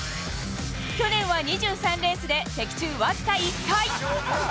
去年は２３レースで的中僅か１回。